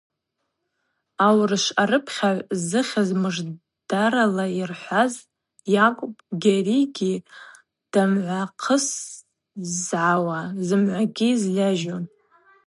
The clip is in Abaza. Аурышв арыпхьагӏв, зыхьыз мыждарала йырхӏваз йакӏвпӏ Гьаригьи дымгӏвахъызгауа, зымгӏвагьи зльажьу.